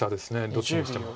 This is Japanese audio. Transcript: どっちにしても。